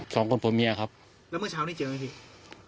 สองคนผัวเมียครับแล้วเมื่อเช้านี้เจอไหมพี่